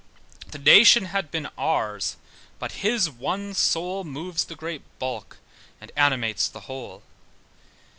The nation had been ours, but his one soul Moves the great bulk, and animates the whole.